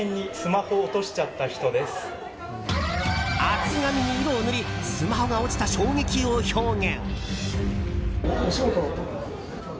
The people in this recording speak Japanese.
厚紙に色を塗りスマホが落ちた衝撃を表現。